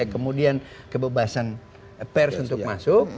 kemudian kebebasan pers untuk masuk